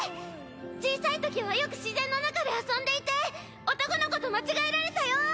小さいときはよく自然の中で遊んでいて男の子と間違えられたよ！